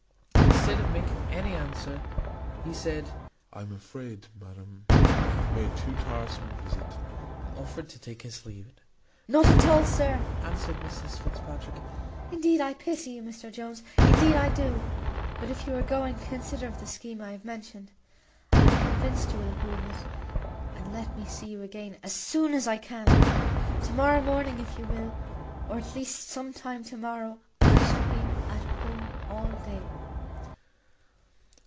Instead of making any answer, he said, "I am afraid, madam, I have made too tiresome a visit;" and offered to take his leave. "Not at all, sir," answered Mrs Fitzpatrick. "Indeed I pity you, Mr Jones; indeed I do: but if you are going, consider of the scheme I have mentioned I am convinced you will approve it and let me see you again as soon as you can. To morrow morning if you will, or at least some time to morrow. I shall be at home all day."